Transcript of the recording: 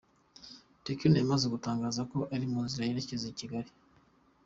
Tekno yamaze gutangaza ko ari mu nzira yerekeza i Kigali.